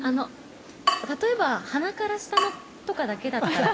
例えば鼻から下とかだけだったら。